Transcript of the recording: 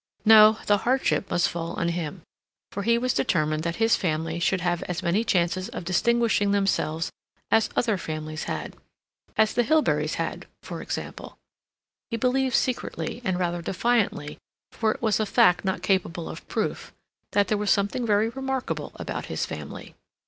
No, the hardship must fall on him, for he was determined that his family should have as many chances of distinguishing themselves as other families had—as the Hilberys had, for example. He believed secretly and rather defiantly, for it was a fact not capable of proof, that there was something very remarkable about his family.